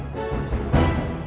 masih ada yang nunggu